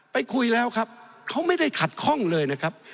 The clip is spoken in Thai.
ไปคุยแล้วครับเขาไม่ได้ขัดข้องเลยนะครับ